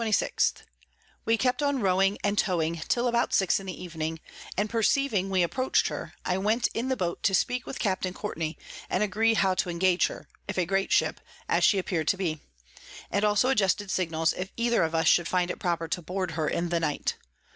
_ We kept on rowing and towing till about six in the Evening; and perceiving we approach'd her, I went in the Boat to speak with Capt. Courtney, and agree how to engage her, if a great Ship, as she appear'd to be; and also adjusted Signals, if either of us should find it proper to board her in the night.